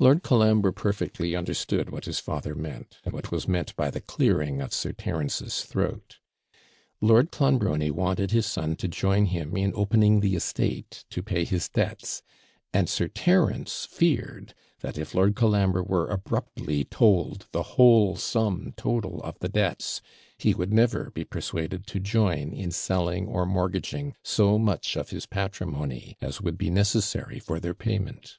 Lord Colambre perfectly understood what his father meant, and what was meant by the clearing of Sir Terence's throat. Lord Clonbrony wanted his son to join him in opening the estate to pay his debts; and Sir Terence feared that, if Lord Colambre were abruptly told the whole sum total of the debts he would never be persuaded to join in selling or mortgaging so much of his patrimony as would be necessary for their payment.